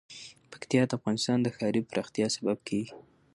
پکتیا د افغانستان د ښاري پراختیا سبب کېږي.